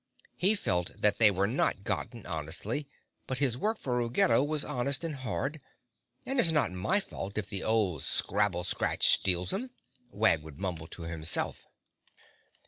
He felt that they were not gotten honestly, but his work for Ruggedo was honest and hard, "and it's not my fault if the old scrabble scratch steals 'em," Wag would mumble to himself.